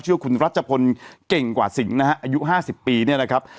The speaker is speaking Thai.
ว่าคุณรัชพลเก่งกว่าสิงห์นะฮะอายุ๕๐ปีเนี่ยนะครับ